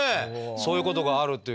そういうことがあるという。